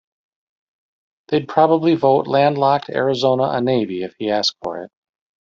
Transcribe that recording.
They'd probably vote landlocked Arizona a navy if he asked for it.